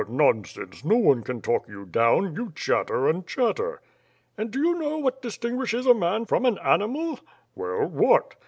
"Ah! Nonsense, no one can talk you down. You chatter and chatter." "And do you know what distinguishes a man from an animal?" "Well, what?"